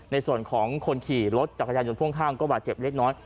ในส่วนของคนขี่รถจักรยานยนต์พ่วงข้างก็บาดเจ็บเล็กน้อย